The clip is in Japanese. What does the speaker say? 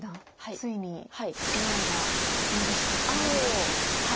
ついにＡＩが右下ツナギを。